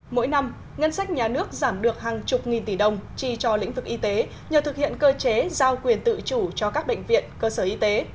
mỗi năm ngân sách nhà nước giảm được hàng chục nghìn tỷ đồng chi cho lĩnh vực y tế nhờ thực hiện cơ chế giao quyền tự chủ cho các bệnh viện cơ sở y tế